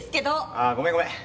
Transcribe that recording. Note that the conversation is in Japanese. ああごめんごめん。